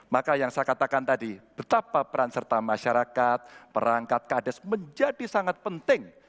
maka yang saya katakan tadi betapa peran serta masyarakat perangkat kades menjadi sangat penting